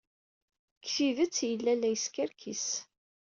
Deg tidet, yella la yeskerkis.